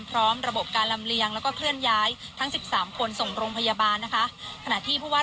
สิทธิ์ข่าวไทยรัตน์ทีวีของเรารายงานสดจากหน้าถ้ำหลวงที่จังหวัดเชียงราย